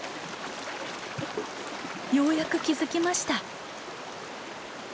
ようやく気付きました。